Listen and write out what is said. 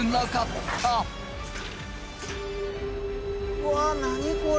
うわ何これ！？